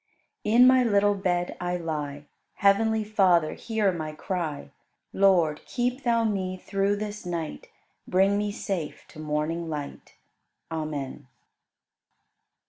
23. In my little bed I lie: Heavenly Father, hear my cry; Lord, keep Thou me through this night. Bring me safe to morning light. Amen.